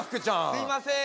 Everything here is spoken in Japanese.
すいません。